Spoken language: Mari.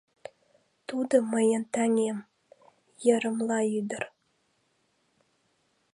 Тудо мыйын таҥем! — йырымла ӱдыр.